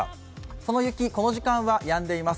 その雪、この時間はやんでいます。